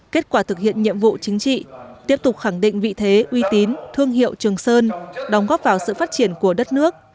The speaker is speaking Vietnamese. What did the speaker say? kết quả thực hiện nhiệm vụ chính trị tiếp tục khẳng định vị thế uy tín thương hiệu trường sơn đóng góp vào sự phát triển của đất nước